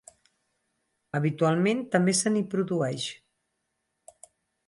Habitualment també se n'hi produeix.